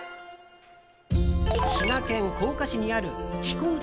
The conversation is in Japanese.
滋賀県甲賀市にある生粉打